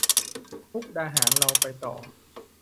มุกดาหารเราไปต่อ